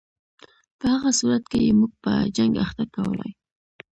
په هغه صورت کې یې موږ په جنګ اخته کولای.